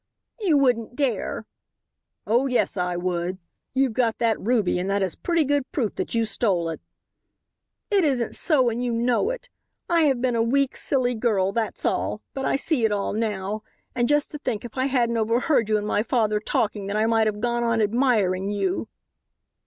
"You wouldn't dare." "Oh, yes, I would. You've got that ruby and that is pretty good proof that you stole it." "It isn't so and you know it. I have been a weak, silly girl, that's all, but I see it all now. And just to think if I hadn't overheard you and my father talking that I might have gone on admiring you."